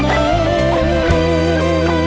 คู่ครีมคนใหม่